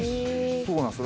そうなんですよ。